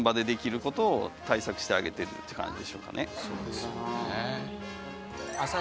そうですよね。